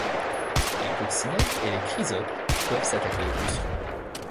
Les coccinelles et les chrysopes peuvent s'attaquer aux pucerons.